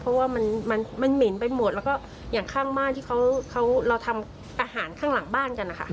เพราะว่ามันเหม็นไปหมดแล้วก็อย่างข้างบ้านที่เขาเราทำอาหารข้างหลังบ้านกันนะคะ